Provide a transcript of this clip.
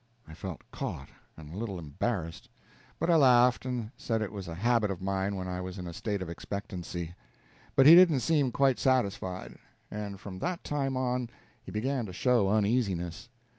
I felt caught, and a little embarrassed; but I laughed, and said it was a habit of mine when I was in a state of expenctancy. But he didn't seem quite satisfied; and from that time on he began to show uneasiness.